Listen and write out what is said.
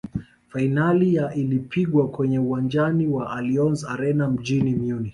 fainali ya ilipigwa kwenye uwanjani wa allianz arena mjini munich